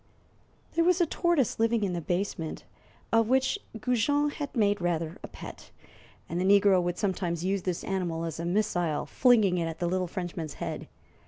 There was a tortoise living in the basement, of which Goujon had made rather a pet, and the negro would sometimes use this animal as a missile, flinging it at the little Frenchman's head.